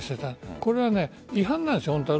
これは違反なんです、本当は。